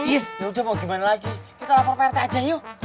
iya udah mau gimana lagi kita lapor prt aja yuk